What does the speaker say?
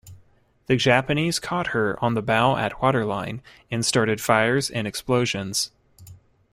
The Japanese caught her on the bow at waterline and started fires and explosions.